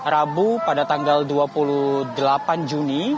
rabu pada tanggal dua puluh delapan juni